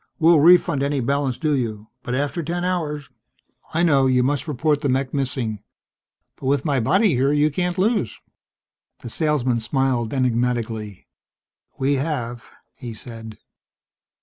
We'll refund any balance due you. But after ten hours ..." "I know. You must report the mech missing. But with my body here you can't lose." The salesman smiled enigmatically. "We have," he said.